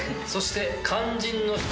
そして肝心の。